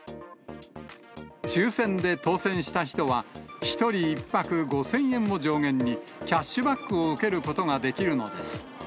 抽せんで当せんした人は、１人１泊５０００円を上限に、キャッシュバックを受けることができるのです。